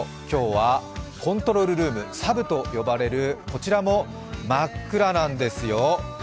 今日はコントロールルーム、サブと呼ばれるこちらも真っ暗なんですよ。